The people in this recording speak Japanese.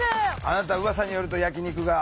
あなたうわさによると焼き肉が。